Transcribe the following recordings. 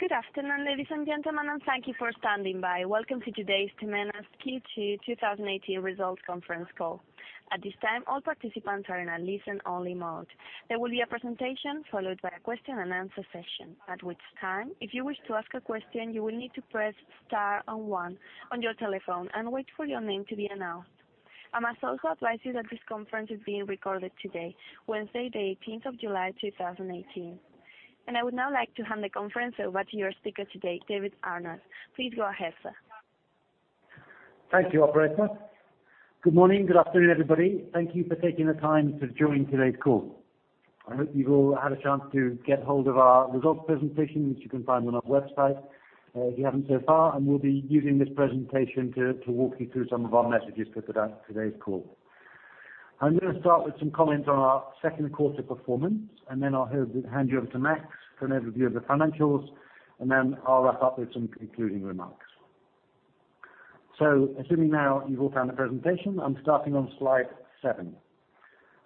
Good afternoon, ladies and gentlemen, thank you for standing by. Welcome to today's Temenos Q2 2018 Results Conference Call. At this time, all participants are in a listen-only mode. There will be a presentation followed by a question and answer session. At which time, if you wish to ask a question, you will need to press star and one on your telephone and wait for your name to be announced. I must also advise you that this conference is being recorded today, Wednesday the 18th of July, 2018. I would now like to hand the conference over to your speaker today, David Arnott. Please go ahead, sir. Thank you, operator. Good morning, good afternoon, everybody. Thank you for taking the time to join today's call. I hope you've all had a chance to get hold of our results presentation, which you can find on our website if you haven't so far. We'll be using this presentation to walk you through some of our messages for today's call. I'm going to start with some comments on our second quarter performance, I'll hand you over to Max for an overview of the financials, I'll wrap up with some concluding remarks. Assuming now you've all found the presentation, I'm starting on slide seven,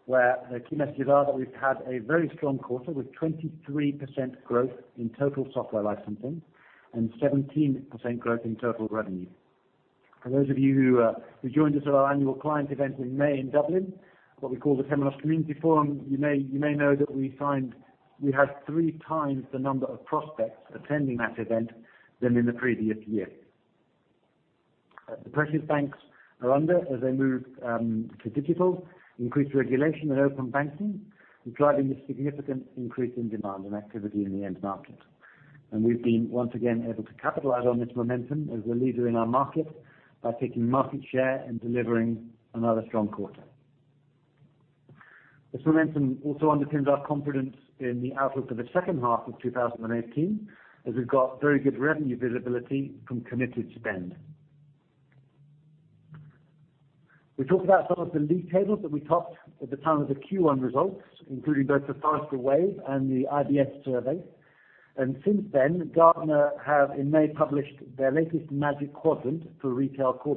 where the key messages are that we've had a very strong quarter with 23% growth in total software licensing and 17% growth in total revenue. For those of you who joined us at our annual client event in May in Dublin, what we call the Temenos Community Forum, you may know that we had three times the number of prospects attending that event than in the previous year. The pressures banks are under as they move to digital, increased regulation, and open banking is driving this significant increase in demand and activity in the end market. We've been once again able to capitalize on this momentum as a leader in our market by taking market share and delivering another strong quarter. This momentum also underpins our confidence in the outlook for the second half of 2018, as we've got very good revenue visibility from committed spend. We talked about some of the league tables that we topped at the time of the Q1 results, including both the Forrester Wave and the IBS survey. Since then, Gartner have in May published their latest Magic Quadrant for retail core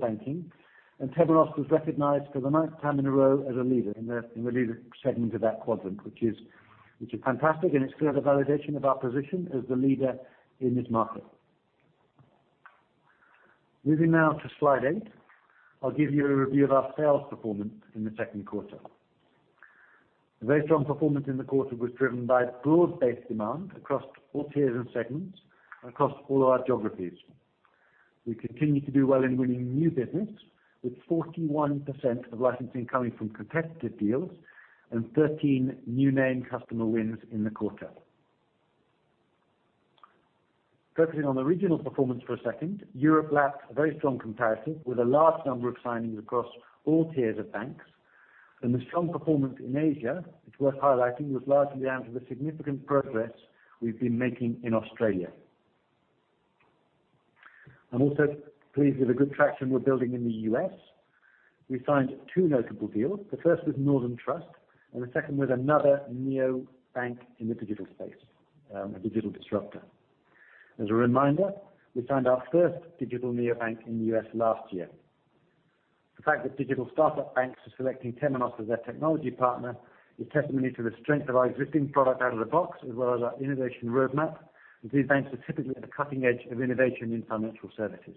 banking, Temenos was recognized for the ninth time in a row as a leader in the leader segment of that quadrant, which is fantastic, it's clear the validation of our position as the leader in this market. Moving now to slide eight. I'll give you a review of our sales performance in the second quarter. A very strong performance in the quarter was driven by broad-based demand across all tiers and segments and across all our geographies. We continue to do well in winning new business, with 41% of licensing coming from competitive deals and 13 new name customer wins in the quarter. Focusing on the regional performance for a second, Europe lacked a very strong comparison, with a large number of signings across all tiers of banks. The strong performance in Asia, it's worth highlighting, was largely down to the significant progress we've been making in Australia. I'm also pleased with the good traction we're building in the U.S. We signed two notable deals. The first was Northern Trust, and the second was another neobank in the digital space, a digital disruptor. As a reminder, we signed our first digital neobank in the U.S. last year. The fact that digital startup banks are selecting Temenos as their technology partner is testimony to the strength of our existing product out of the box, as well as our innovation roadmap, and these banks are typically at the cutting edge of innovation in financial services.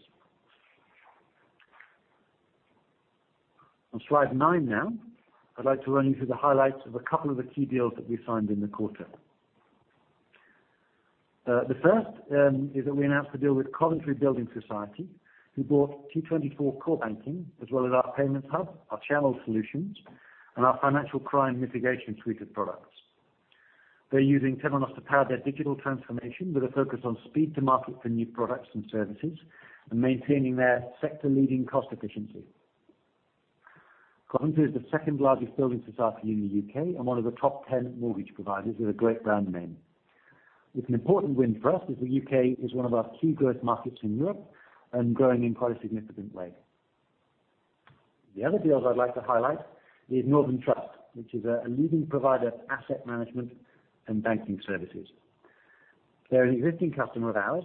On slide nine now, I'd like to run you through the highlights of a couple of the key deals that we signed in the quarter. The first is that we announced a deal with Coventry Building Society, who bought T24 core banking, as well as our payments hub, our channel solutions, and our financial crime mitigation suite of products. They're using Temenos to power their digital transformation with a focus on speed to market for new products and services and maintaining their sector-leading cost efficiency. Coventry is the second-largest building society in the U.K. and one of the top 10 mortgage providers with a great brand name. It's an important win for us, as the U.K. is one of our key growth markets in Europe and growing in quite a significant way. The other deals I'd like to highlight is Northern Trust, which is a leading provider of asset management and banking services. They're an existing customer of ours,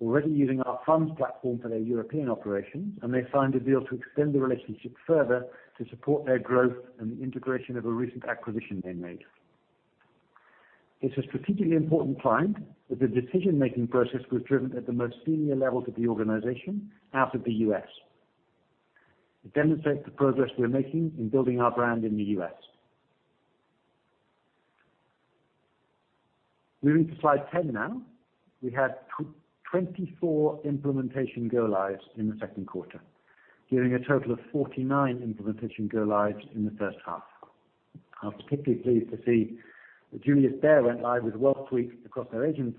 already using our funds platform for their European operations, and they've signed a deal to extend the relationship further to support their growth and the integration of a recent acquisition they made. It's a strategically important client, as the decision-making process was driven at the most senior levels of the organization out of the U.S. It demonstrates the progress we're making in building our brand in the U.S. Moving to slide 10 now. We had 24 implementation go-lives in the second quarter, giving a total of 49 implementation go-lives in the first half. I was particularly pleased to see that Julius Baer went live with WealthSuite across their Asian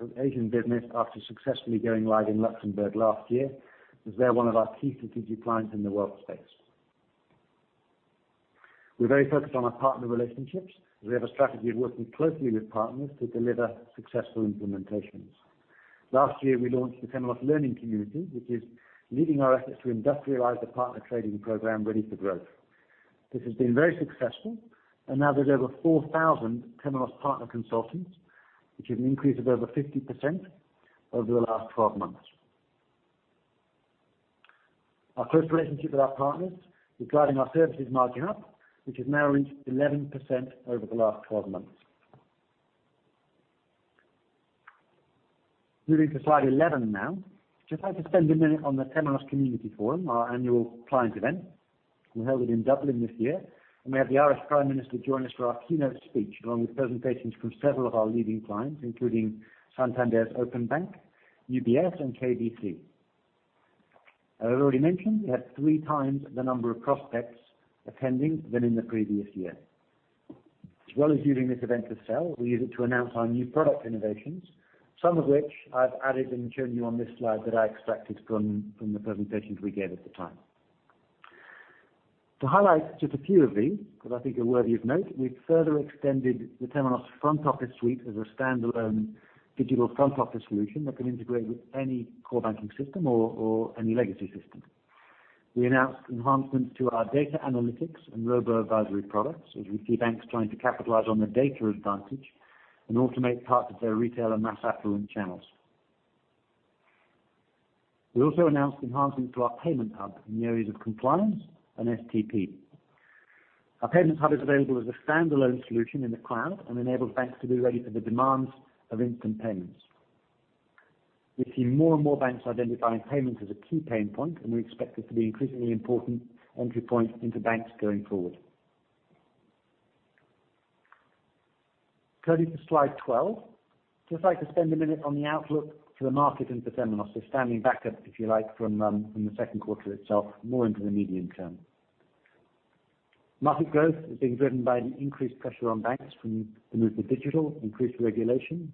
business after successfully going live in Luxembourg last year, as they're one of our key strategic clients in the wealth space. We're very focused on our partner relationships, as we have a strategy of working closely with partners to deliver successful implementations. Last year, we launched the Temenos Learning Community, which is leading our efforts to industrialize the partner training program Ready for Growth. This has been very successful and now there's over 4,000 Temenos partner consultants, which is an increase of over 50% over the last 12 months. Moving to slide 11 now. Just like to spend a minute on the Temenos Community Forum, our annual client event. We held it in Dublin this year, and we had the Irish Prime Minister join us for our keynote speech, along with presentations from several of our leading clients, including Santander's Openbank, UBS and KBC. As I've already mentioned, we had three times the number of prospects attending than in the previous year. As well as using this event to sell, we use it to announce our new product innovations, some of which I've added and shown you on this slide that I extracted from the presentations we gave at the time. To highlight just a few of these that I think are worthy of note, we've further extended the Temenos Front Office Suite as a standalone digital front office solution that can integrate with any core banking system or any legacy system. We announced enhancements to our data analytics and robo-advisory products as we see banks trying to capitalize on the data advantage and automate parts of their retail and mass affluent channels. We also announced enhancements to our payment hub in the areas of compliance and STP. Our payment hub is available as a standalone solution in the cloud and enables banks to be ready for the demands of instant payments. We see more and more banks identifying payments as a key pain point, and we expect this to be an increasingly important entry point into banks going forward. Going to slide 12. Just like to spend a minute on the outlook for the market and for Temenos, standing back up, if you like, from the second quarter itself, more into the medium term. Market growth is being driven by the increased pressure on banks from the move to digital, increased regulation,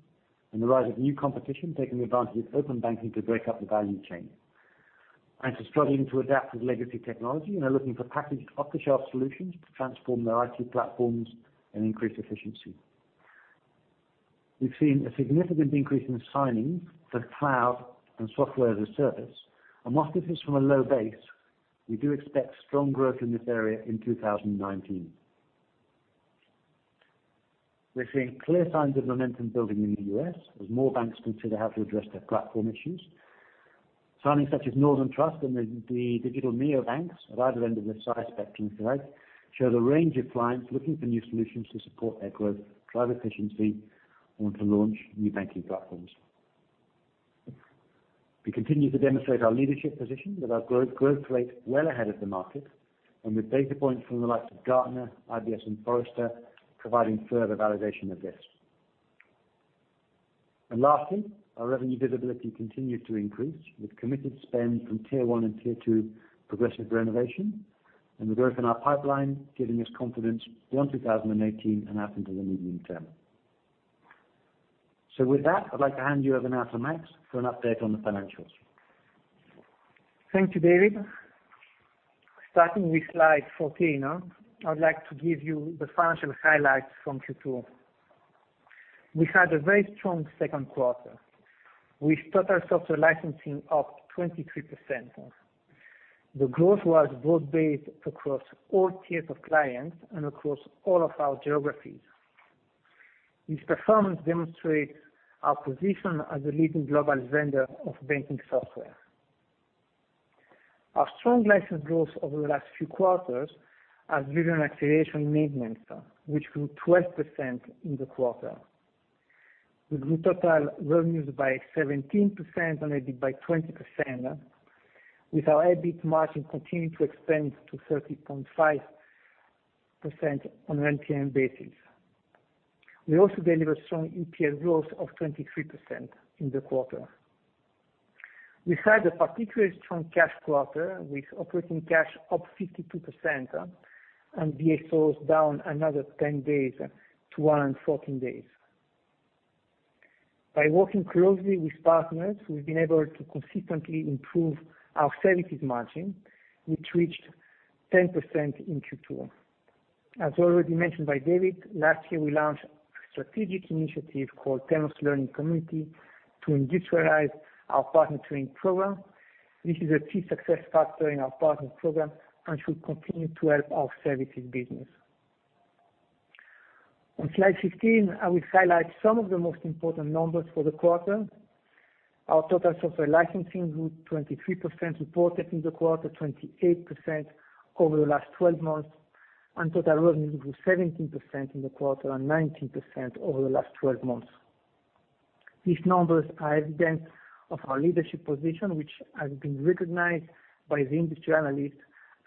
and the rise of new competition taking advantage of open banking to break up the value chain. Banks are struggling to adapt with legacy technology and are looking for packaged off-the-shelf solutions to transform their IT platforms and increase efficiency. We've seen a significant increase in signing for cloud and software as a service, and whilst this is from a low base, we do expect strong growth in this area in 2019. We're seeing clear signs of momentum building in the U.S. as more banks consider how to address their platform issues. Signings such as Northern Trust and the digital neo banks at either end of the size spectrum today show the range of clients looking for new solutions to support their growth, drive efficiency or to launch new banking platforms. We continue to demonstrate our leadership position with our growth rate well ahead of the market and with data points from the likes of Gartner, IBS, and Forrester providing further validation of this. Lastly, our revenue visibility continues to increase with committed spend from tier 1 and tier 2 progressive renovation, and the growth in our pipeline giving us confidence beyond 2018 and out into the medium term. With that, I'd like to hand you over now to Max for an update on the financials. Thank you, David. Starting with slide 14, I would like to give you the financial highlights from Q2. We had a very strong second quarter with total software licensing up 23%. The growth was broad-based across all tiers of clients and across all of our geographies. This performance demonstrates our position as a leading global vendor of banking software. Our strong license growth over the last few quarters has driven acceleration maintenance, which grew 12% in the quarter. We grew total revenues by 17% and EBIT by 20%, with our EBIT margin continuing to expand to 30.5% on an NPM basis. We also delivered strong EPS growth of 23% in the quarter. We had a particularly strong cash quarter, with operating cash up 52% and DSO down another 10 days to 114 days. By working closely with partners, we've been able to consistently improve our services margin, which reached 10% in Q2. As already mentioned by David, last year we launched a strategic initiative called Temenos Learning Community to industrialize our partner training program. This is a key success factor in our partner program and should continue to help our services business. On slide 15, I will highlight some of the most important numbers for the quarter. Our total software licensing grew 23% reported in the quarter, 28% over the last 12 months. Total revenue grew 17% in the quarter and 19% over the last 12 months. These numbers are evidence of our leadership position, which has been recognized by the industry analysts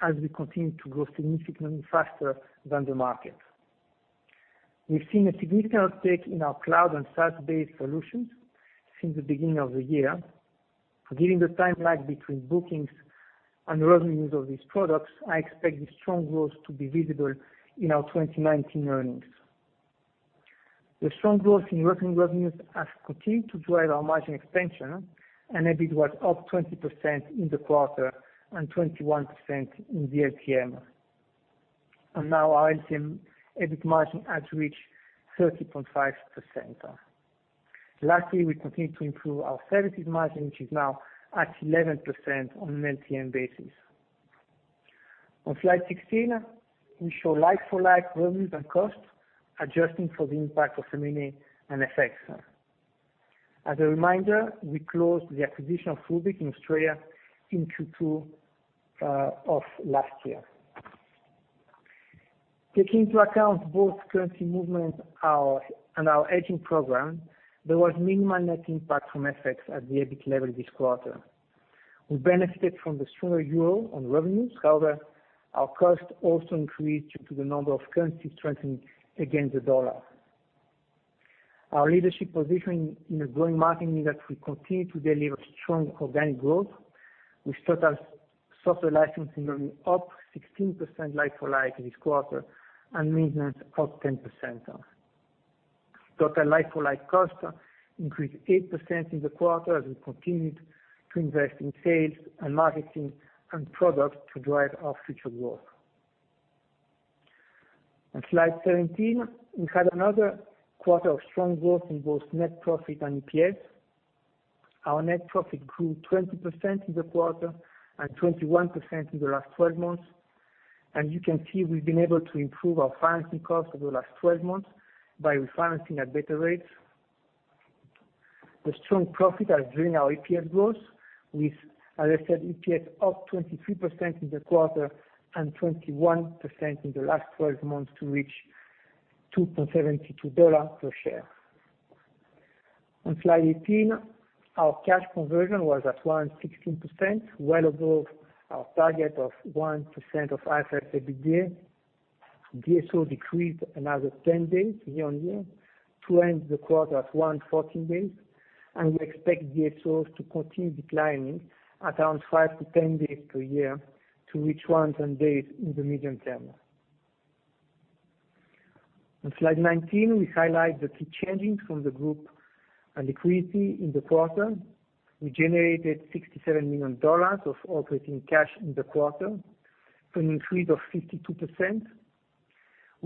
as we continue to grow significantly faster than the market. We've seen a significant uptake in our cloud and SaaS-based solutions since the beginning of the year. Given the timeline between bookings and revenues of these products, I expect this strong growth to be visible in our 2019 earnings. The strong growth in working revenues has continued to drive our margin expansion. EBIT was up 20% in the quarter and 21% in the LTM. Now our LTM EBIT margin has reached 30.5%. Lastly, we continue to improve our services margin, which is now at 11% on an LTM basis. On slide 16, we show like-for-like revenues and costs, adjusting for the impact of Feminist and FX. As a reminder, we closed the acquisition of Rubik in Australia in Q2 of last year. Taking into account both currency movements and our hedging program, there was minimal net impact from FX at the EBIT level this quarter. We benefited from the stronger euro on revenues. However, our costs also increased due to the number of currencies strengthening against the US dollar. Our leadership position in a growing market means that we continue to deliver strong organic growth, with total software licensing revenue up 16% like-for-like this quarter and maintenance up 10%. Total like-for-like cost increased 8% in the quarter as we continued to invest in sales and marketing and products to drive our future growth. On slide 17, we had another quarter of strong growth in both net profit and EPS. Our net profit grew 20% in the quarter and 21% in the last 12 months. You can see we've been able to improve our financing cost over the last 12 months by refinancing at better rates. The strong profit are driving our EPS growth with, as I said, EPS up 23% in the quarter and 21% in the last 12 months to reach $2.72 per share. On slide 18, our cash conversion was at 116%, well above our target of 1% of IFRS EBITDA. DSO decreased another 10 days year-on-year to end the quarter at 114 days, and we expect DSOs to continue declining at around 5-10 days per year to reach 100 days in the medium term. On slide 19, we highlight the key changes from the group and liquidity in the quarter. We generated $67 million of operating cash in the quarter, an increase of 52%,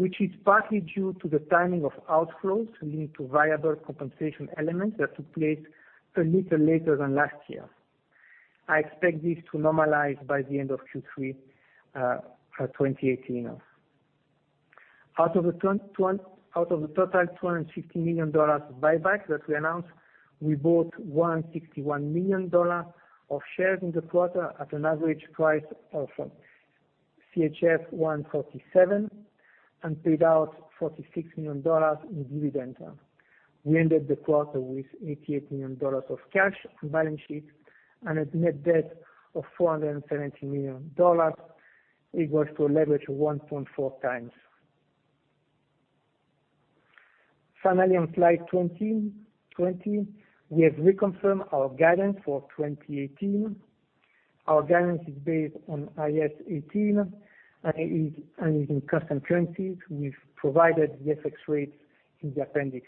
which is partly due to the timing of outflows linked to variable compensation elements that took place a little later than last year. I expect this to normalize by the end of Q3 2018. Out of the total $250 million of buyback that we announced, we bought $161 million of shares in the quarter at an average price of CHF 147 and paid out $46 million in dividends. We ended the quarter with $88 million of cash on the balance sheet and a net debt of $470 million, equals to a leverage of 1.4 times. Finally, on slide 20, we have reconfirmed our guidance for 2018. Our guidance is based on IAS 18 and is in constant currencies. We've provided the FX rates in the appendix.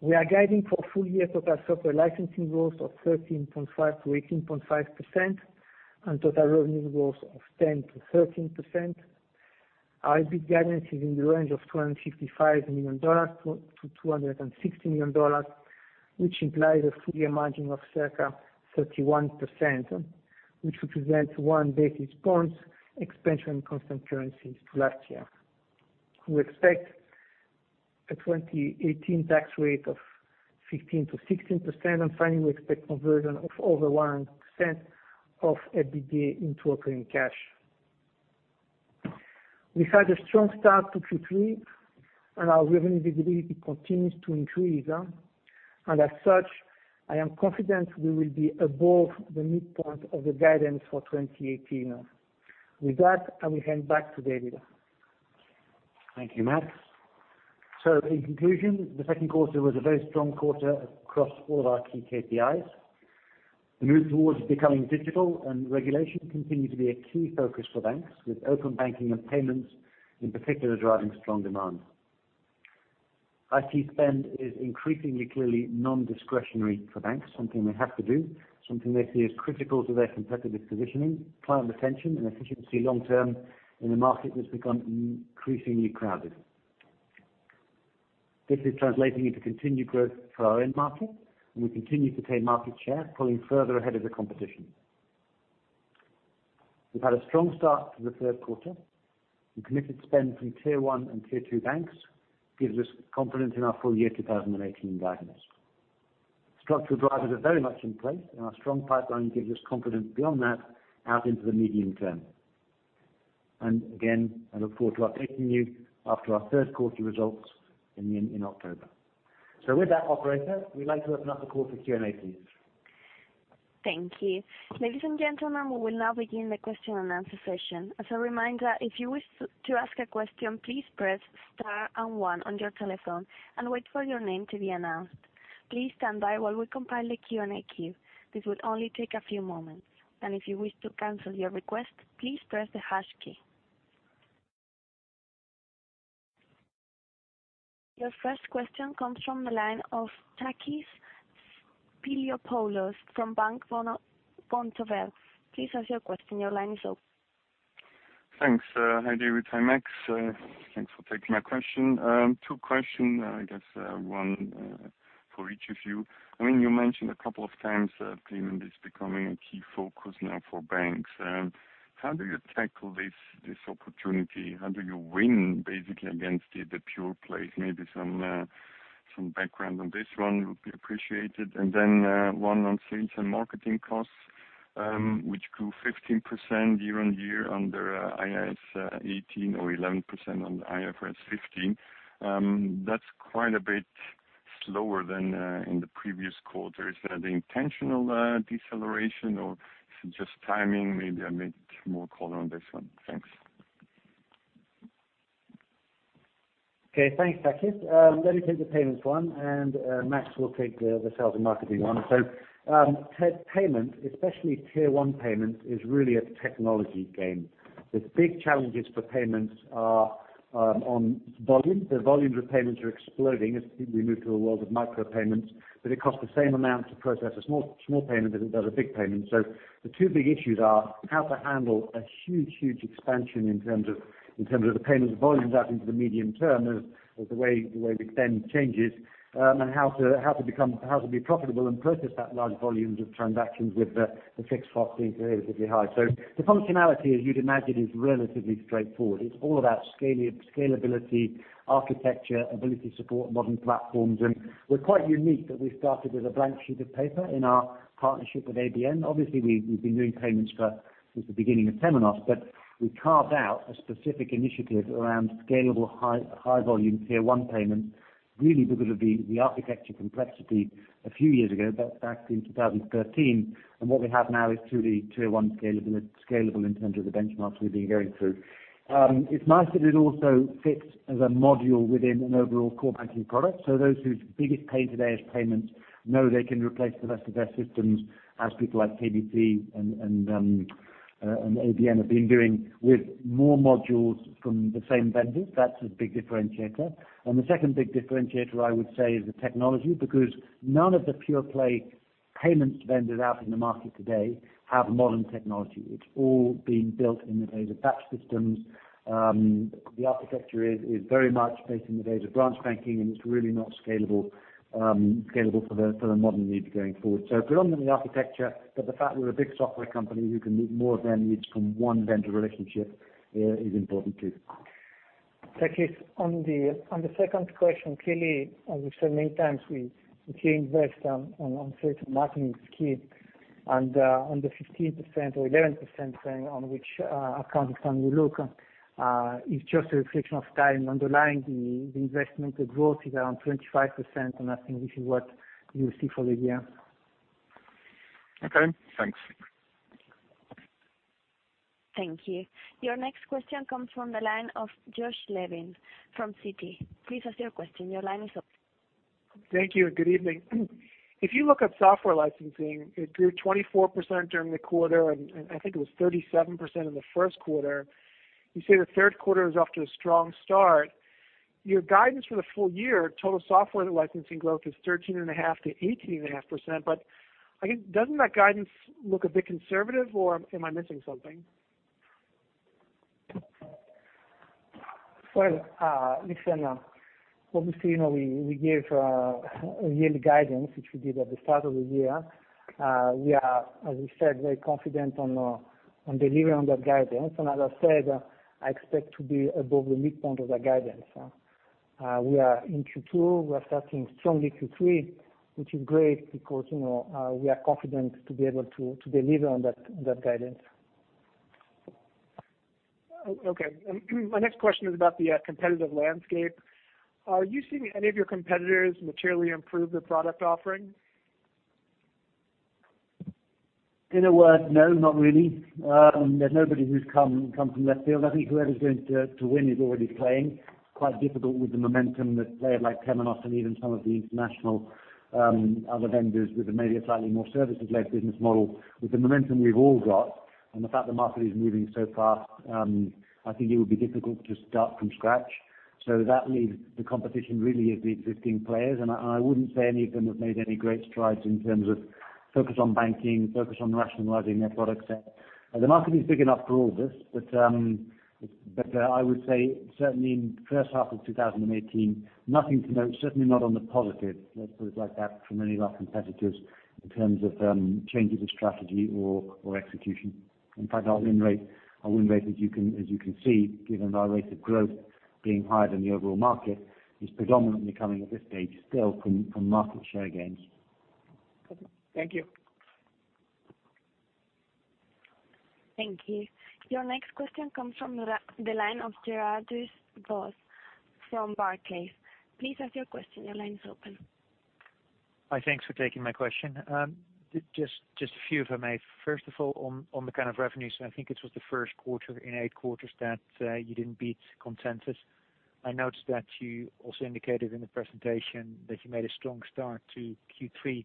We are guiding for full-year total software licensing growth of 13.5%-18.5% and total revenue growth of 10%-13%. Our EBIT guidance is in the range of $255 million-$260 million, which implies a full-year margin of circa 31%, which represents one basis point expansion in constant currencies to last year. We expect a 2018 tax rate of 15%-16%, and finally, we expect conversion of over 100% of FBE in total operating cash. We've had a strong start to Q3, and our revenue visibility continues to increase. As such, I am confident we will be above the midpoint of the guidance for 2018. With that, I will hand back to David. Thank you, Max. In conclusion, the second quarter was a very strong quarter across all of our key KPIs. The move towards becoming digital and regulation continued to be a key focus for banks, with open banking and payments, in particular, driving strong demand. IT spend is increasingly clearly non-discretionary for banks, something they have to do, something they see as critical to their competitive positioning, client retention, and efficiency long term in a market that's become increasingly crowded. This is translating into continued growth for our end market, and we continue to take market share, pulling further ahead of the competition. We've had a strong start to the third quarter, and committed spend from Tier 1 and Tier 2 banks gives us confidence in our full-year 2018 guidance. Structural drivers are very much in place. Our strong pipeline gives us confidence beyond that out into the medium term. Again, I look forward to updating you after our third quarter results in October. With that, operator, we'd like to open up the call for Q&A, please. Thank you. Ladies and gentlemen, we will now begin the question and answer session. As a reminder, if you wish to ask a question, please press star and one on your telephone and wait for your name to be announced. Please stand by while we compile the Q&A queue. This will only take a few moments. If you wish to cancel your request, please press the hash key. Your first question comes from the line of Takis Spiliopoulos from Bank Vontobel. Please ask your question. Your line is open. Thanks. Hi, David. I'm Max. Thanks for taking my question. Two question, I guess one for each of you. You mentioned a couple of times that payment is becoming a key focus now for banks. How do you tackle this opportunity? How do you win, basically, against the pure plays? Maybe some background on this one would be appreciated. Then one on sales and marketing costs, which grew 15% year-on-year under IAS 18 or 11% on IFRS 15. That's quite a bit slower than in the previous quarters. Is that an intentional deceleration, or is it just timing? Maybe I make more color on this one. Thanks. Okay. Thanks, Takis. Let me take the payments one. Max will take the sales and marketing one. Payments, especially tier 1 payments, is really a technology game. The big challenges for payments are on volume. The volumes of payments are exploding as we move to a world of micropayments, but it costs the same amount to process a small payment as it does a big payment. The two big issues are how to handle a huge expansion in terms of the payments volumes out into the medium term as the way we spend changes, and how to be profitable and process that large volumes of transactions with the fixed cost being relatively high. The functionality, as you'd imagine, is relatively straightforward. It's all about scalability, architecture, ability to support modern platforms. We're quite unique that we started with a blank sheet of paper in our partnership with ABN. Obviously, we've been doing payments since the beginning of Temenos, but we carved out a specific initiative around scalable high volume tier 1 payments, really because of the architecture complexity a few years ago, back in 2013. What we have now is truly tier 1 scalable in terms of the benchmarks we've been going through. It's nice that it also fits as a module within an overall core banking product. Those whose biggest pain today is payments know they can replace the rest of their systems as people like KBC and ABN have been doing with more modules from the same vendors. That's a big differentiator. The second big differentiator, I would say, is the technology, because none of the pure-play payments vendors out in the market today have modern technology. It's all been built in the days of batch systems. The architecture is very much based in the days of branch banking. It's really not scalable for the modern needs going forward. Predominantly architecture, but the fact we're a big software company who can meet more of their needs from one vendor relationship is important too. Takis, on the second question, clearly, as we've said many times, we invest on sales and marketing spend. On the 15% or 11% depending on which accounting time you look, it's just a reflection of time underlying the investment. The growth is around 25%. I think this is what you will see for the year. Okay, thanks. Thank you. Your next question comes from the line of Josh Levin from Citi. Please ask your question. Your line is open. Thank you. Good evening. If you look at software licensing, it grew 24% during the quarter, and I think it was 37% in the first quarter. You say the third quarter is off to a strong start. Your guidance for the full year total software licensing growth is 13.5%-18.5%. Doesn't that guidance look a bit conservative, or am I missing something? Well, listen, obviously, we gave a yearly guidance, which we did at the start of the year. We are, as we said, very confident on delivering on that guidance. As I said, I expect to be above the midpoint of that guidance. We are in Q2. We're starting strongly Q3, which is great because we are confident to be able to deliver on that guidance. Okay. My next question is about the competitive landscape. Are you seeing any of your competitors materially improve their product offering? In a word, no, not really. There's nobody who's come from left field. I think whoever's going to win is already playing. Quite difficult with the momentum that a player like Temenos and even some of the international other vendors with maybe a slightly more services-led business model. With the momentum we've all got and the fact the market is moving so fast, I think it would be difficult to start from scratch. That leaves the competition really of the existing players, and I wouldn't say any of them have made any great strides in terms of focus on banking, focus on rationalizing their products. The market is big enough for all this, but I would say certainly in the first half of 2018, nothing to note, certainly not on the positive, let's put it like that, from any of our competitors in terms of changes of strategy or execution. In fact, our win rate, as you can see, given our rate of growth being higher than the overall market, is predominantly coming at this stage still from market share gains. Thank you. Thank you. Your next question comes from the line of Gerardus Vos from Barclays. Please ask your question. Your line is open. Hi, thanks for taking my question. Just a few if I may. First of all, on the kind of revenues, I think it was the first quarter in eight quarters that you didn't beat consensus. I noticed that you also indicated in the presentation that you made a strong start to Q3.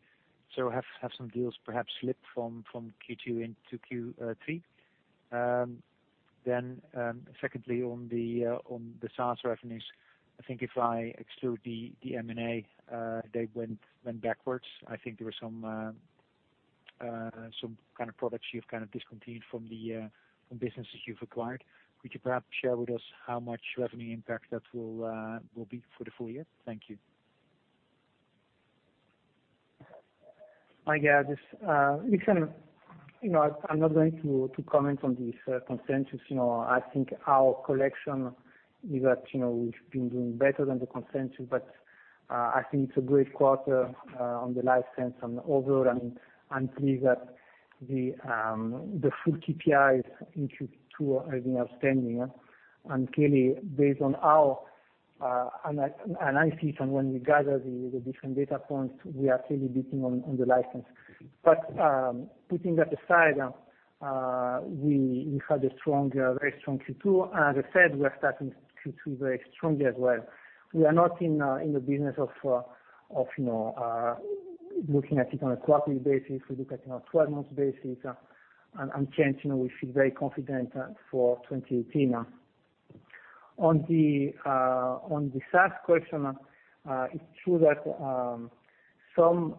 Have some deals perhaps slipped from Q2 into Q3? Secondly, on the SaaS revenues, I think if I exclude the M&A, they went backwards. I think there were some some kind of products you've discontinued from businesses you've acquired. Could you perhaps share with us how much revenue impact that will be for the full year? Thank you. Hi, guys. Listen, I'm not going to comment on this consensus. I think our collection is that we've been doing better than the consensus. I think it's a great quarter on the license and overall, I'm pleased that the full KPIs in Q2 are looking outstanding. Clearly, based on our analysis, and when we gather the different data points, we are clearly beating on the license. Putting that aside, we had a very strong Q2, and as I said, we are starting Q3 very strongly as well. We are not in the business of looking at it on a quarterly basis. We look at it on a 12-months basis. Hence, we feel very confident for 2018. On the SaaS question, it's true that some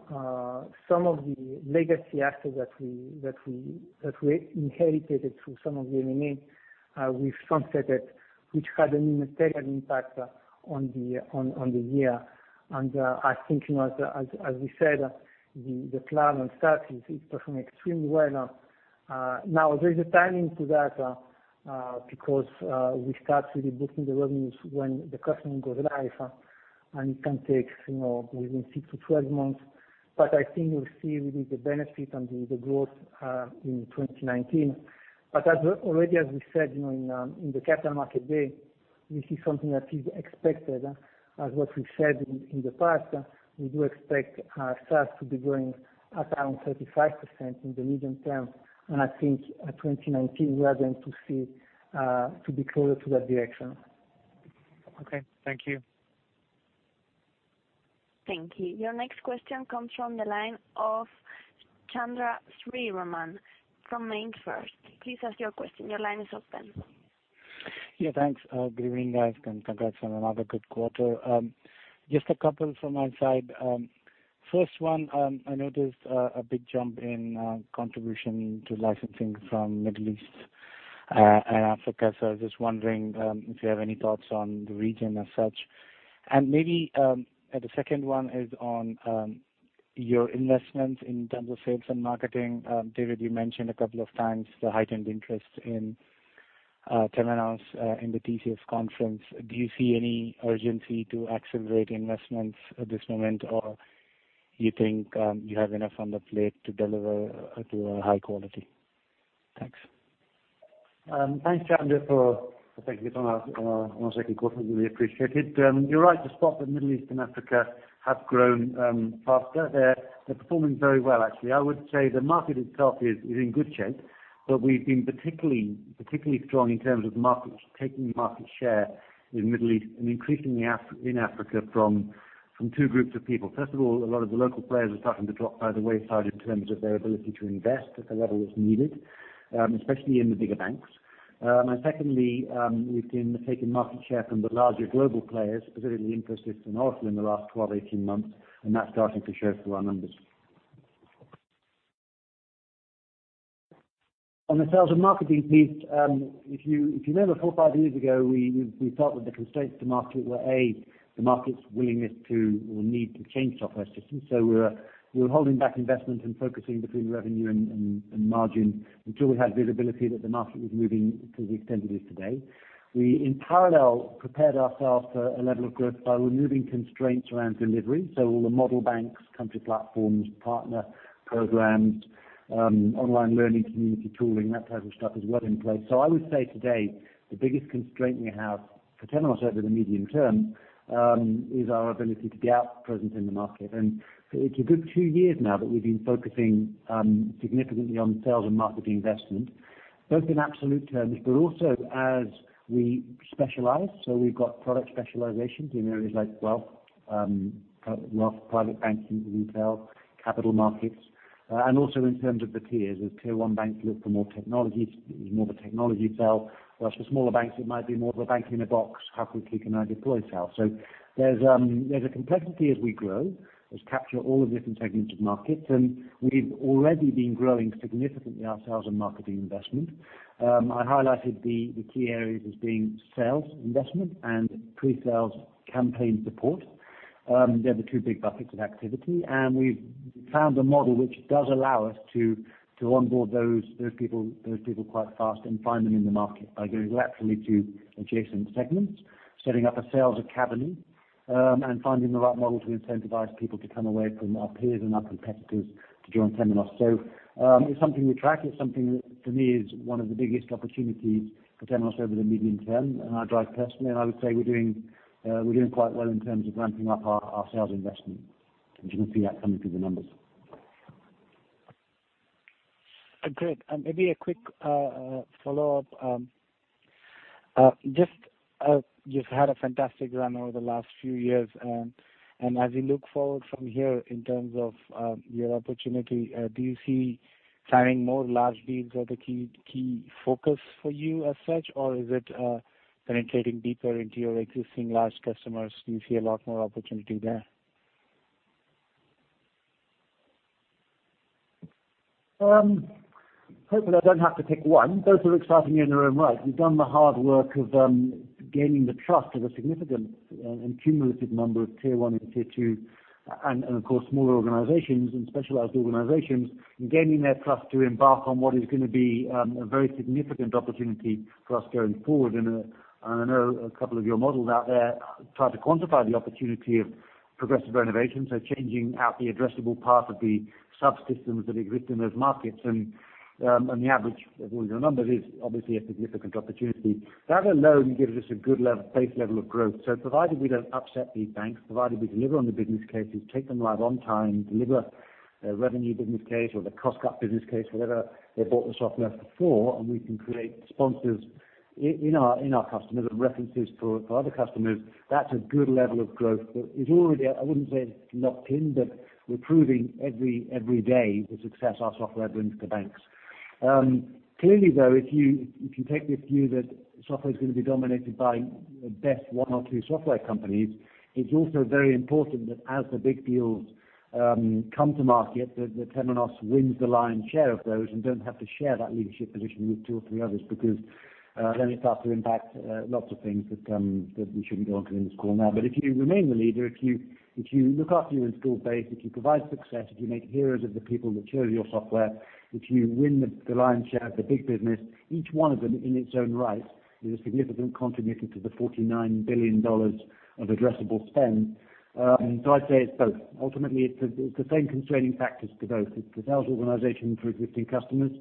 of the legacy assets that we inherited through some of the M&A, we've sunsetted, which had a material impact on the year. I think as we said, the plan on SaaS is it's performing extremely well. Now, there's a timing to that, because we start really booking the revenues when the customer goes live, and it can take between six to 12 months. I think we'll see really the benefit and the growth in 2019. Already as we said in the capital market day, this is something that is expected. As what we've said in the past, we do expect our SaaS to be growing at around 35% in the medium term. I think by 2019, we are going to be closer to that direction. Okay. Thank you. Thank you. Your next question comes from the line of Chandramouli Sriraman from MainFirst. Please ask your question. Your line is open. Yeah. Thanks. Good evening, guys, and congrats on another good quarter. Just a couple from my side. First one, I noticed a big jump in contribution to licensing from Middle East and Africa. I was just wondering if you have any thoughts on the region as such. Maybe the second one is on your investments in terms of sales and marketing. David, you mentioned a couple of times the heightened interest in Temenos in the TCF conference. Do you see any urgency to accelerate investments at this moment, or you think you have enough on the plate to deliver to a high quality? Thanks. Thanks, Chandra, for taking the time out on a second quarter, really appreciate it. You're right to spot that Middle East and Africa have grown faster. They're performing very well, actually. I would say the market itself is in good shape, we've been particularly strong in terms of taking market share in Middle East, and increasingly in Africa from two groups of people. First of all, a lot of the local players are starting to drop by the wayside in terms of their ability to invest at the level that's needed, especially in the bigger banks. Secondly, we've been taking market share from the larger global players, specifically Infosys and Oracle in the last 12, 18 months, and that's starting to show through our numbers. On the sales and marketing piece, if you remember four or five years ago, we felt that the constraints to market were, A, the market's willingness to, or need to change software systems. We were holding back investment and focusing between revenue and margin until we had visibility that the market was moving to the extent it is today. We, in parallel, prepared ourselves for a level of growth by removing constraints around delivery. All the model banks, country platforms, partner programs, online learning community tooling, that type of stuff is well in place. I would say today, the biggest constraint we have for Temenos over the medium term, is our ability to be out present in the market. It's a good two years now that we've been focusing significantly on sales and marketing investment, both in absolute terms, but also as we specialize. We've got product specializations in areas like wealth, private banking, retail, capital markets, and also in terms of the tiers. As tier 1 banks look for more technology, it's more of a technology sell. Whereas for smaller banks, it might be more of a bank-in-a-box, how-quickly-can-I-deploy sell. There's a complexity as we grow, as capture all the different segments of markets, and we've already been growing significantly our sales and marketing investment. I highlighted the key areas as being sales investment and pre-sales campaign support. They're the two big buckets of activity, and we've found a model which does allow us to onboard those people quite fast and find them in the market by going laterally to adjacent segments, setting up a sales academy, and finding the right model to incentivize people to come away from our peers and our competitors to join Temenos. It's something we track. It's something that for me, is one of the biggest opportunities for Temenos over the medium term, and I drive personally, and I would say we're doing quite well in terms of ramping up our sales investment, which you can see that coming through the numbers. Great. Maybe a quick follow-up. You've had a fantastic run over the last few years, as we look forward from here in terms of your opportunity, do you see Signing more large deals are the key focus for you as such, or is it penetrating deeper into your existing large customers? Do you see a lot more opportunity there? Hopefully I don't have to pick one. Both are exciting in their own right. We've done the hard work of gaining the trust of a significant and cumulative number of Tier 1 and Tier 2, and of course, smaller organizations and specialized organizations, and gaining their trust to embark on what is going to be a very significant opportunity for us going forward. I know a couple of your models out there try to quantify the opportunity of progressive renovations are changing out the addressable part of the subsystems that exist in those markets. The average of all your numbers is obviously a significant opportunity. That alone gives us a good base level of growth. Provided we don't upset these banks, provided we deliver on the business cases, take them live on time, deliver a revenue business case or the cost-cut business case, whatever they bought the software for, and we can create sponsors in our customers and references for other customers, that's a good level of growth that is already, I wouldn't say locked in, but we're proving every day the success our software brings to banks. Clearly, though, if you take the view that software's going to be dominated by the best one or two software companies, it's also very important that as the big deals come to market, that Temenos wins the lion's share of those and don't have to share that leadership position with two or three others. Then it starts to impact lots of things that we shouldn't go into in this call now. If you remain the leader, if you look after your installed base, if you provide success, if you make heroes of the people that choose your software, if you win the lion's share of the big business, each one of them in its own right is a significant contributor to the $49 billion of addressable spend. I'd say it's both. Ultimately, it's the same constraining factors for both. It's the sales organization for existing customers,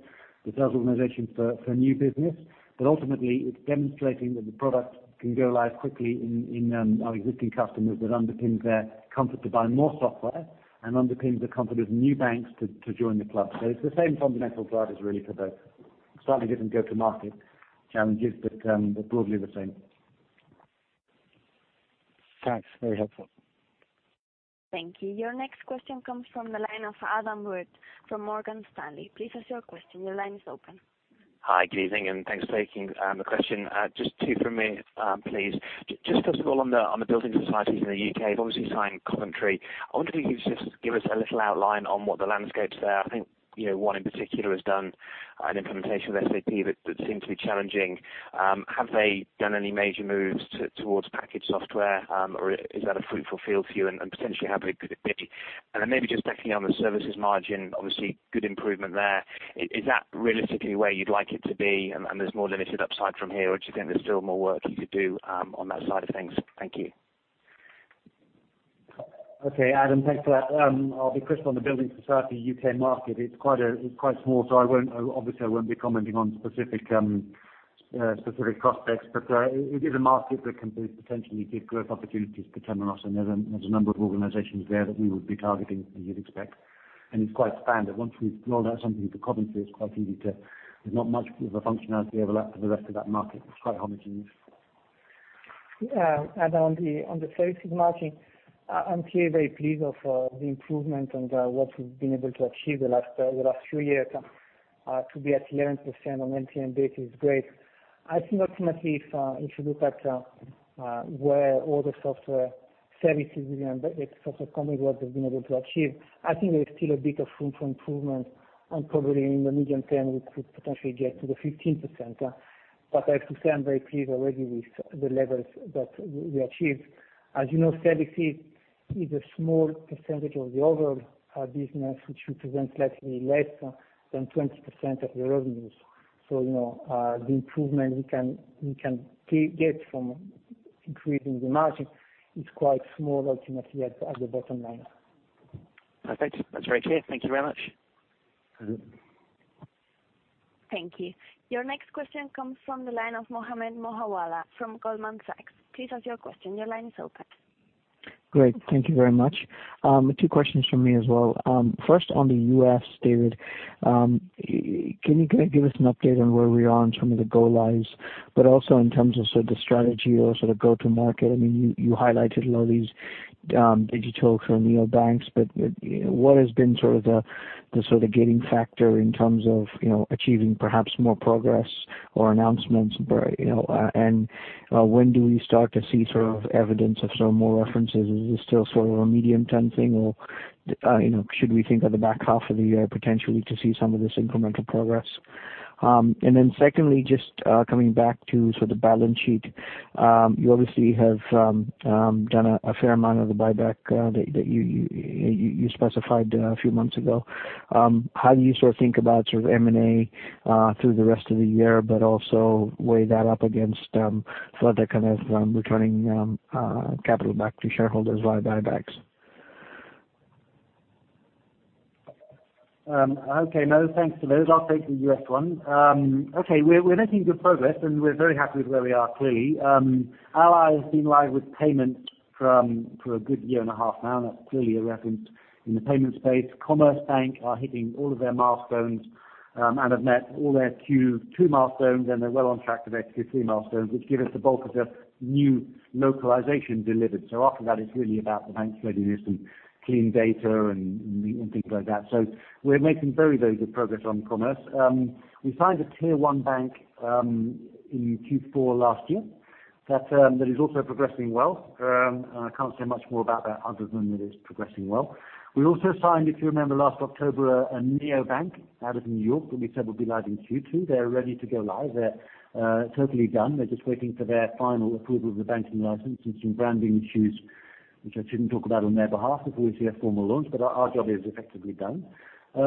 the sales organization for new business. Ultimately, it's demonstrating that the product can go live quickly in our existing customers that underpins their comfort to buy more software and underpins the comfort of new banks to join the club. It's the same fundamental drivers, really, for both. Slightly different go-to-market challenges, but broadly the same. Thanks. Very helpful. Thank you. Your next question comes from the line of Adam Ward from Morgan Stanley. Please ask your question. Your line is open. Hi, good evening, and thanks for taking the question. Just two from me, please. Just first of all on the building societies in the U.K., you've obviously signed Coventry. I wonder if you could just give us a little outline on what the landscape's there. I think one in particular has done an implementation with SAP that seemed to be challenging. Have they done any major moves towards package software? Or is that a fruitful field for you and potentially have it? Maybe just secondly on the services margin, obviously good improvement there. Is that realistically where you'd like it to be and there's more limited upside from here? Or do you think there's still more work to do on that side of things? Thank you. Okay, Adam, thanks for that. I'll be crystal on the Building Society U.K. market. It's quite small, so obviously I won't be commenting on specific prospects. It is a market that can potentially give growth opportunities to Temenos, and there's a number of organizations there that we would be targeting, as you'd expect. It's quite standard. Once we've rolled out something with the Coventry, there's not much of a functionality overlap for the rest of that market. It's quite homogeneous. Adam, on the services margin, I'm clearly very pleased of the improvement and what we've been able to achieve the last few years. To be at 11% on LTM basis is great. I think ultimately, if you look at where all the software services and software companies, what they've been able to achieve, I think there's still a bit of room for improvement, and probably in the medium term, we could potentially get to the 15%. I have to say, I'm very pleased already with the levels that we achieved. As you know, services is a small percentage of the overall business, which represents slightly less than 20% of the revenues. So the improvement we can get from increasing the margin is quite small ultimately at the bottom line. Perfect. That's very clear. Thank you very much. Thank you. Your next question comes from the line of Mohammed Moawalla from Goldman Sachs. Please ask your question. Your line is open. Great. Thank you very much. Two questions from me as well. First on the U.S., David, can you give us an update on where we are in terms of the go-lives, also in terms of the strategy or go-to-market? You highlighted a lot of these digitals from neobanks, what has been the gating factor in terms of achieving perhaps more progress or announcements? When do we start to see evidence of some more references? Is this still a medium-term thing, or should we think of the back half of the year potentially to see some of this incremental progress? Secondly, just coming back to the balance sheet. You obviously have done a fair amount of the buyback that you specified a few months ago. How do you think about M&A through the rest of the year, but also weigh that up against further kind of returning capital back to shareholders via buybacks? Okay, Mo. Thanks for those. I'll take the U.S. one. We're making good progress, and we're very happy with where we are clearly. Ally has been live with payment for a good year and a half now. That's clearly a reference in the payment space. Commerce Bank are hitting all of their milestones and have met all their Q2 milestones, and they're well on track to their Q3 milestones, which give us the bulk of the new localization delivered. After that, it's really about the bank's readiness and clean data and things like that. We're making very good progress on Commerce. We signed a Tier 1 bank in Q4 last year. That is also progressing well. I can't say much more about that other than that it's progressing well. We also signed, if you remember last October, a neobank out of New York that we said would be live in Q2. They're ready to go live. They're totally done. They're just waiting for their final approval of the banking license and some branding issues, which I shouldn't talk about on their behalf before we see a formal launch, but our job is effectively done. We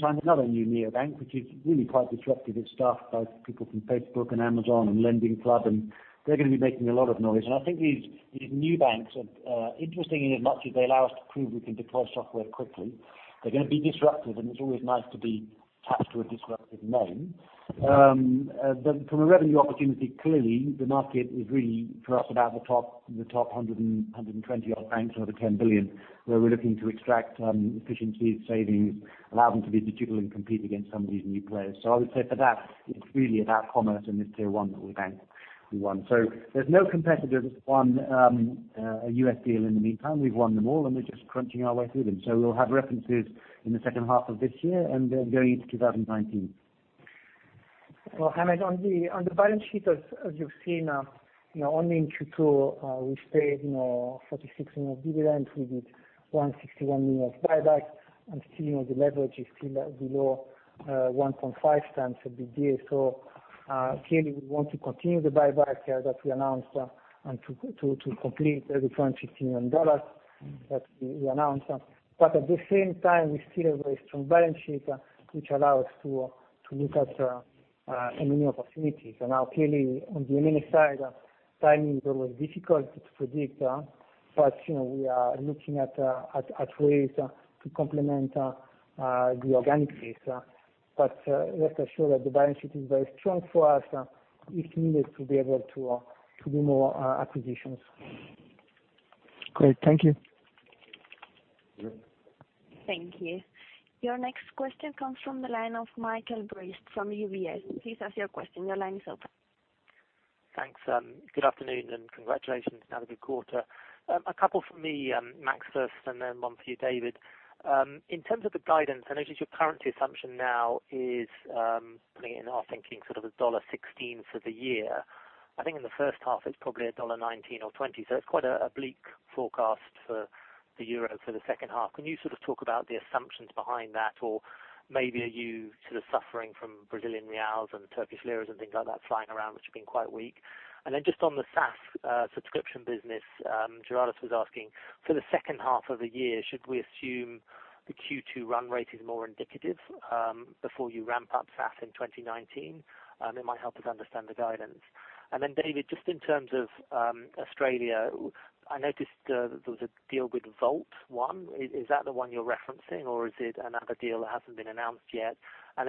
signed another new neobank, which is really quite disruptive. It's staffed by people from Facebook and Amazon and LendingClub, and they're going to be making a lot of noise. I think these new banks are interesting inasmuch as they allow us to prove we can deploy software quickly. They're going to be disruptive, and it's always nice to be attached to a disruptive name. From a revenue opportunity, clearly the market is really for us about the top 120-odd banks or the 10 billion, where we're looking to extract efficiencies, savings, allow them to be agile and compete against some of these new players. I would say for that, it's really about Commerce and this Tier 1 that we bank, we won. There's no competitor that's won a U.S. deal in the meantime. We've won them all, and we're just crunching our way through them. We'll have references in the second half of this year and going into 2019. Well, Mohammed, on the balance sheet, as you've seen, only in Q2 we paid $46 million of dividends. We did $161 million of buybacks, still the leverage is still below 1.5 times EBITDA. Clearly we want to continue the buybacks that we announced and to complete the $350 million that we announced. At the same time, we still have a strong balance sheet, which allow us to look at M&A opportunities. Now clearly on the M&A side, timing is always difficult to predict. We are looking at ways to complement the organic base. Rest assured that the balance sheet is very strong for us if needed to be able to do more acquisitions. Great. Thank you. Thank you. Your next question comes from the line of Michael Briest from UBS. Please ask your question. Your line is open. Thanks. Good afternoon and congratulations on another good quarter. A couple from me, Max first then one for you, David. In terms of the guidance, I notice your currency assumption now is, putting it in our thinking, sort of $1.16 for the year. I think in the first half it's probably $1.19 or $1.20. It's quite a bleak forecast for the euro for the second half. Can you sort of talk about the assumptions behind that? Maybe are you sort of suffering from Brazilian reals and Turkish liras and things like that flying around, which have been quite weak? Then just on the SaaS subscription business, Gerardus was asking for the second half of the year, should we assume the Q2 run rate is more indicative before you ramp up SaaS in 2019? It might help us understand the guidance. David, just in terms of Australia, I noticed there was a deal with Volt one. Is that the one you're referencing or is it another deal that hasn't been announced yet?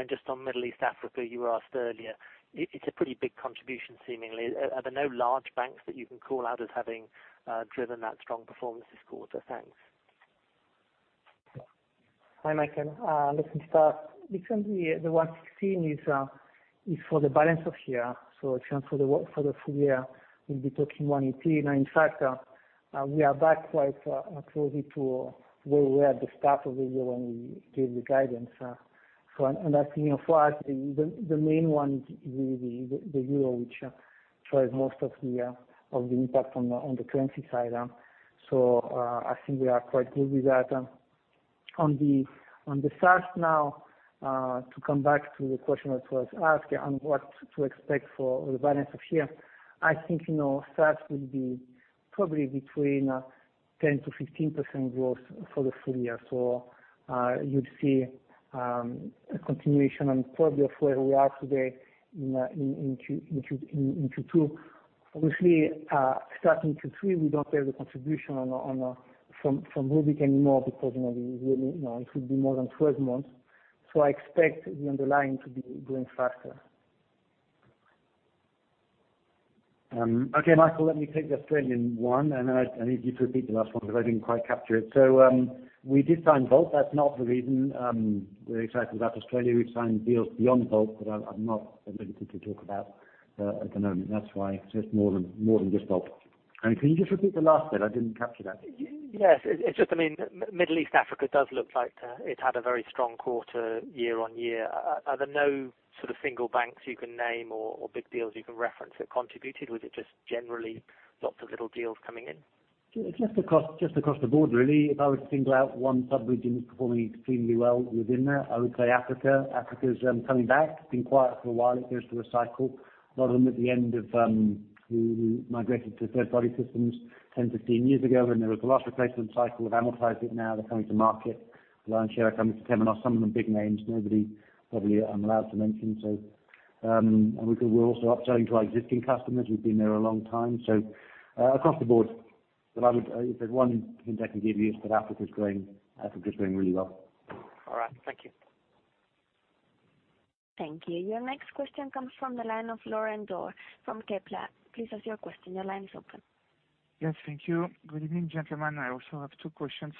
Just on Middle East Africa, you were asked earlier, it's a pretty big contribution seemingly. Are there no large banks that you can call out as having driven that strong performance this quarter? Thanks. Hi, Michael. Listen to that. Recently, the 1.16 is for the balance of year. In terms for the full year, we'll be talking 1.18. In fact, we are back quite closely to where we were at the start of the year when we gave the guidance. That's for us, the main one is really the Euro, which drives most of the impact on the currency side. I think we are quite good with that. On the SaaS now, to come back to the question that was asked on what to expect for the balance of year, I think SaaS will be probably between 10%-15% growth for the full year. You'd see a continuation on probably of where we are today in Q2. Obviously, starting Q3, we don't have a contribution from Rubik anymore because it will be more than 12 months. I expect the underlying to be growing faster. Okay, Michael, let me take the Australian one. I need you to repeat the last one because I didn't quite capture it. We did sign Volt. That's not the reason we're excited about Australia. We've signed deals beyond Volt that I'm not at liberty to talk about at the moment. That's why it's more than just Volt. Can you just repeat the last bit? I didn't capture that. Yes. It's just, Middle East Africa does look like it had a very strong quarter year-on-year. Are there no sort of single banks you can name or big deals you can reference that contributed? Was it just generally lots of little deals coming in? Just across the board, really. If I were to single out one sub-region that's performing extremely well within that, I would say Africa. Africa's coming back. It's been quiet for a while. It goes through a cycle. A lot of them at the end who migrated to third-party systems 10, 15 years ago when there was a large replacement cycle, have amortized it now they're coming to market. Lion's share are coming to Temenos. Some of them big names, nobody probably I'm allowed to mention so. We're also upselling to our existing customers who've been there a long time. Across the board. If there's one thing I can give you is that Africa's growing really well. All right. Thank you. Thank you. Your next question comes from the line of Laurent Daure from Kepler. Please ask your question. Your line is open. Yes. Thank you. Good evening, gentlemen. I also have two questions.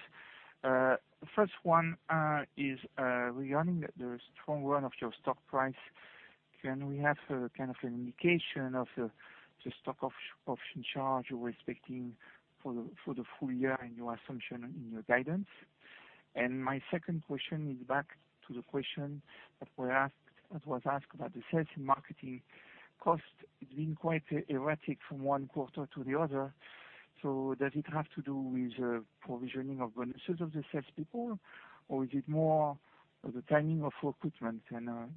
First one is regarding the strong run of your stock price. Can we have kind of an indication of the stock option charge you're expecting for the full year and your assumption in your guidance? My second question is back to the question that was asked about the sales and marketing cost. It's been quite erratic from one quarter to the other. Does it have to do with provisioning of bonuses of the salespeople, or is it more the timing of recruitment?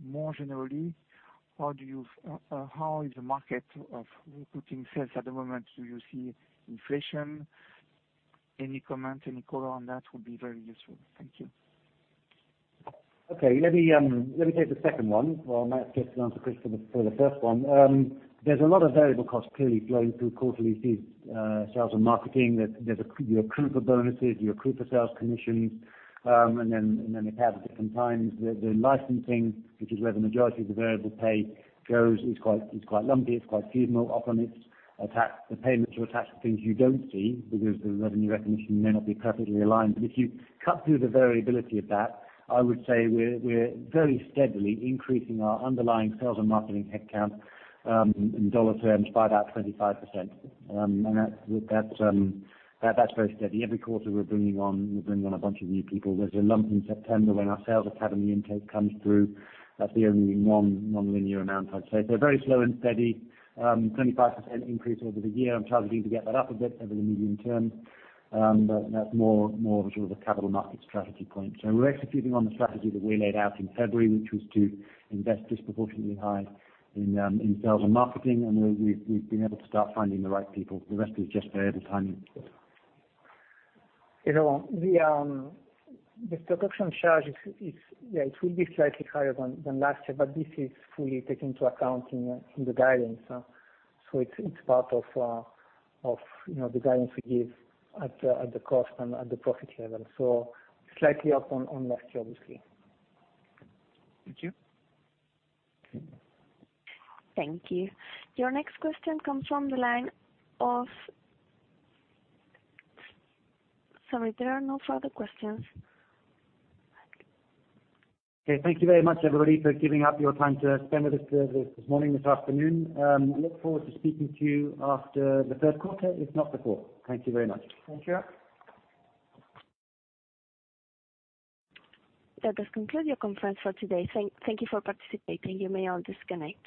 More generally, how is the market of recruiting sales at the moment? Do you see inflation? Any comment, any color on that would be very useful. Thank you. Okay. Let me take the second one, while Max gets to answer Chris for the first one. There's a lot of variable costs clearly flowing through quarterly sales and marketing. You accrue for bonuses, you accrue for sales commissions, and then they pay at different times. The licensing, which is where the majority of the variable pay goes, is quite lumpy, it's quite seasonal. Often, the payments are attached to things you don't see because the revenue recognition may not be perfectly aligned. If you cut through the variability of that, I would say we're very steadily increasing our underlying sales and marketing headcount in dollar terms by about 25%. That's very steady. Every quarter we're bringing on a bunch of new people. There's a lump in September when our sales academy intake comes through. That's the only non-linear amount, I'd say. Very slow and steady. 25% increase over the year. I'm targeting to get that up a bit over the medium term. That's more of a capital markets strategy point. We're executing on the strategy that we laid out in February, which was to invest disproportionately high in sales and marketing, and we've been able to start finding the right people. The rest is just variable timing. The stock option charge, it will be slightly higher than last year, but this is fully taken into account in the guidance. It's part of the guidance we give at the cost and at the profit level. Slightly up on last year, obviously. Thank you. Thank you. Your next question comes from the line of Sorry, there are no further questions. Okay. Thank you very much, everybody, for giving up your time to spend with us this morning, this afternoon. Look forward to speaking to you after the third quarter, if not before. Thank you very much. Thank you. That does conclude your conference for today. Thank you for participating. You may all disconnect.